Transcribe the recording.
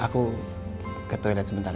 aku ke toilet sebentar